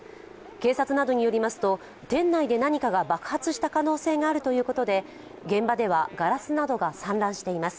警察などによりますと店内で何かが爆発した可能性があるということで、現場ではガラスなどが散乱しています。